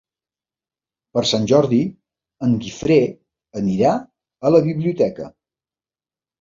Per Sant Jordi en Guifré anirà a la biblioteca.